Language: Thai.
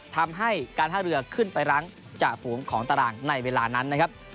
ทำให้การท่าเรือขึ้นไปรั้งจ่าฝูงของตารางในเวลานั้นนะครับ